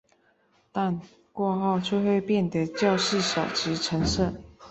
但过后就会变得较细小及沉色。